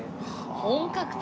本格的。